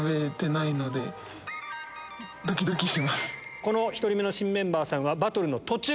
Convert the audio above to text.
この１人目の新メンバーさんは。